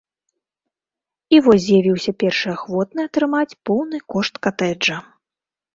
І вось з'явіўся першы ахвотны атрымаць поўны кошт катэджа.